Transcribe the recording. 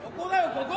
ここ！